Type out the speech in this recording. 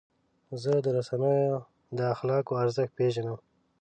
زه د رسنیو د اخلاقو ارزښت پیژنم.